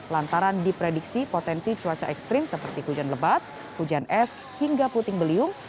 lantaran diprediksi potensi cuaca ekstrim seperti hujan lebat hujan es hingga puting beliung